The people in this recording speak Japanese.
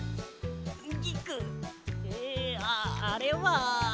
ああれは。